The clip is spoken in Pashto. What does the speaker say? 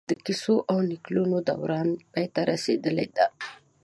د کيسو او نکلونو دوران پای ته رسېدلی دی